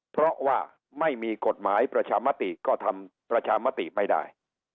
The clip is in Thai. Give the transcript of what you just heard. เพราะว่าไม่มีกฎหมายประชามติก็ทำประชามติไม่ได้